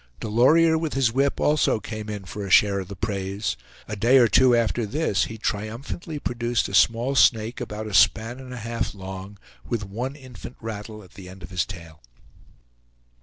Delorier, with his whip, also came in for a share of the praise. A day or two after this he triumphantly produced a small snake about a span and a half long, with one infant rattle at the end of his tail.